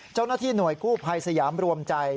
เจ้าหน้าที่หน่วยกู้ภัยสยามรวมใจ